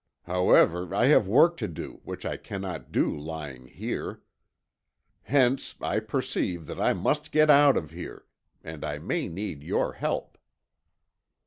However, I have work to do which I cannot do lying here. Hence I perceive that I must get out of here. And I may need your help."